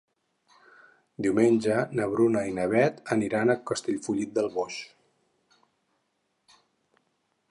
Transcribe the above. Diumenge na Bruna i na Beth aniran a Castellfollit del Boix.